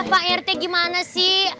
pak rt gimana sih